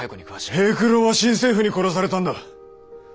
平九郎は新政府に殺されたんだ！